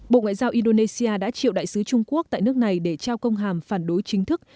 bộ ngoại giao indonesia đã triệu đại sứ trung quốc tại nước này để trao công hàm phản đối chính thức